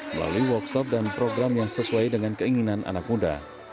melalui workshop dan program yang sesuai dengan keinginan anak muda